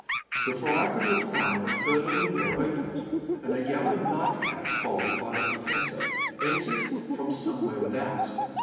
'* Before I could reply the further window opened and a yellow nightcap, followed hy the Professor, entered from somewhere without.